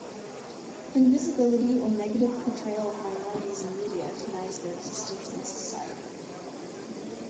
Invisibility or negative portrayal of minorities in media denies their existence in society.